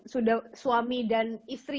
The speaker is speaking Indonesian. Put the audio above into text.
sudah suami dan istri